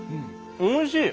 おいしい！